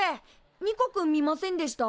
ニコくん見ませんでした？